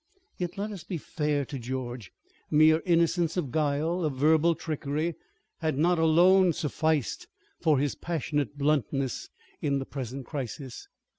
Yet, let us be fair to George. Mere innocence of guile, of verbal trickery, had not alone sufficed for his passionate bluntness in the present crisis.